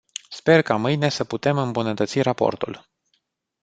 Sper ca mâine să putem îmbunătăți raportul.